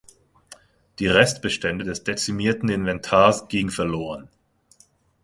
Die Restbestände des dezimierten Inventars ging verloren.